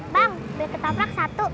bang beli ketoprak satu